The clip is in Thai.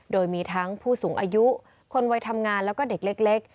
โดยมีทั้งผู้สูงอายุคนวัยทำงานแล้วก็เด็กเล็ก